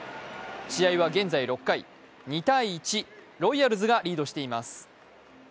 試合は現在６回、２−１、ロイヤルズがリードしています。